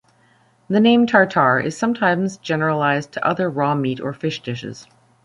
The name tartare is sometimes generalized to other raw meat or fish dishes.